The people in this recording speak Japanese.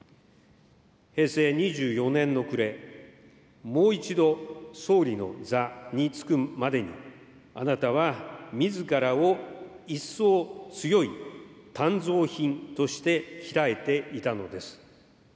平成２４年の暮れ、もう一度、総理の座に就くまでに、あなたはみずからを一層強い鍛造品として、鍛えていたのです。